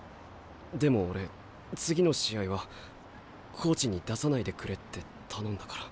でも俺次の試合はコーチに出さないでくれって頼んだから。